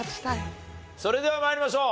それでは参りましょう。